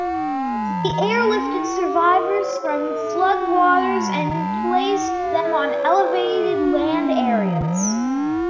They airlifted survivors from flood waters and placed them on elevated land areas.